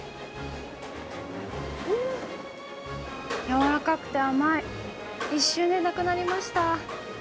やわらかくて甘い、一瞬でなくなりました。